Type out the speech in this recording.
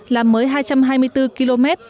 làm mới hai trăm hai mươi bốn km